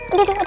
aduh aduh aduh